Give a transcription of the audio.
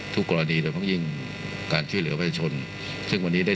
ทรงมีลายพระราชกระแสรับสู่ภาคใต้